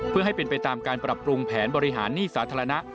เพื่อให้เป็นไปตามการปรับปรุงแผนบริหารหนี้สาธารณะ